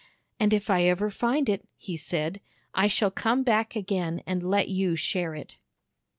" And if I ever find it," he said, ''I shall come back again and let you share it."